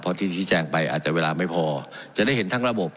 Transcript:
เพราะที่ชี้แจงไปอาจจะเวลาไม่พอจะได้เห็นทั้งระบบ